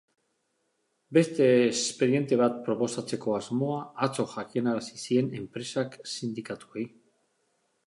Beste espediente bat proposatzeko asmoa atzo jakinarazi zien enpresak sindikatuei.